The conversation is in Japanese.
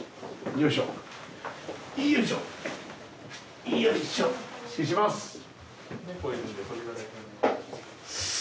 よいしょ失礼します。